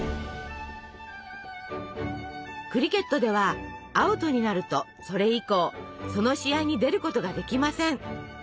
クリケットではアウトになるとそれ以降その試合に出ることができません。